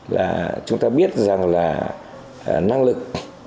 là chúng ta biết rằng là năng lực